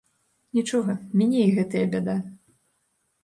Нічога, міне і гэтая бяда.